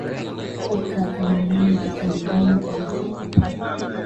akabadilisha upepo uliodumu kwa miaka kumi na nne